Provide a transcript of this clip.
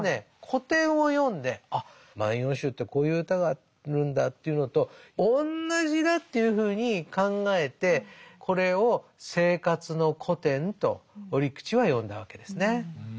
古典を読んであっ「万葉集」ってこういう歌があるんだというのと同じだというふうに考えてこれを「生活の古典」と折口は呼んだわけですね。